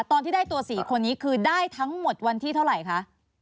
ตอนที่ได้ตัว๔คนนี้คือได้ทั้งหมดวันที่เท่าไหร่คะ